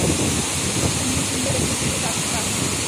انہیں زندہ رکھنے کے لیے کافی تھا